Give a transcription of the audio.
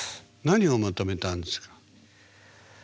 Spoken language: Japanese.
何を求めたんですか？